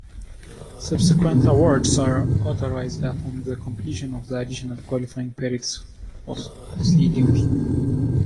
Subsequent awards are authorized upon the completion of additional qualifying periods of sea duty.